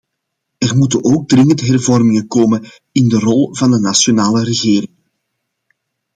Er moeten ook dringend hervormingen komen in de rol van de nationale regeringen.